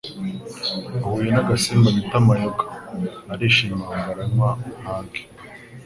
Uhuye n’agasimba bita Mayoga, arishima ngo aranywa ahage,